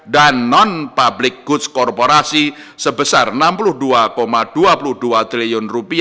dan non public goods korporasi sebesar rp enam puluh dua dua puluh dua triliun